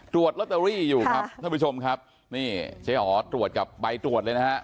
ตรวจลอตเตอรี่อยู่ครับท่านผู้ชมครับนี่เจ๊อ๋อตรวจกับใบตรวจเลยนะฮะ